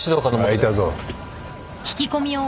空いたぞ。